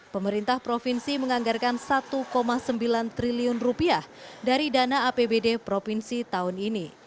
pemerintah provinsi menganggarkan rp satu sembilan triliun dari dana apbd provinsi tahun ini